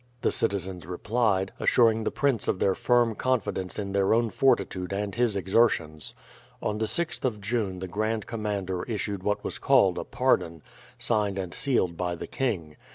The citizens replied, assuring the prince of their firm confidence in their own fortitude and his exertions. On the 6th of June the Grand Commander issued what was called a pardon, signed and sealed by the king.